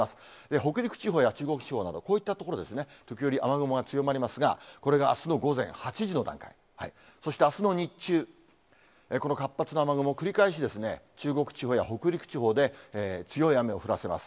北陸地方や中国地方など、こういった所ですね、時折、雨雲が強まりますが、これがあすの午前８時の段階、そして、あすの日中、この活発な雨雲、繰り返し中国地方や北陸地方で、強い雨を降らせます。